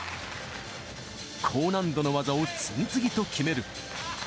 高難度の技を次々と決める。